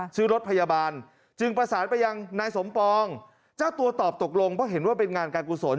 ชื่อรถพยาบาลจึงประสานไปยังนายสมปองเจ้าตัวตอบตกลงเพราะเห็นว่าเป็นงานการกุศล